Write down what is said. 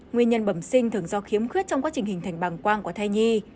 nguyên nhân bầm sinh thường do khiếm khuyết trong quá trình hình thành bảng quang của thai nhi